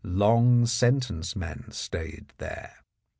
Long sentence men stayed there.